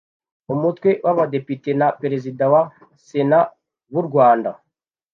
umutwe w’Abadepite na Perezida wa Sena b’u Rwanda